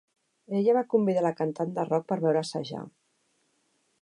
Ella va convidar a la cantant de rock per veure assajar.